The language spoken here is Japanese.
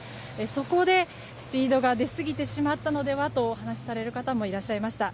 そこでスピードが出すぎてしまったのではとお話しされる方もいらっしゃいました。